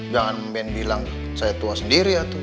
jangan mba bilang saya tua sendiri ya tuh